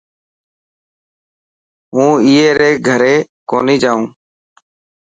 مون ائي ري گھري ڪوني جائون.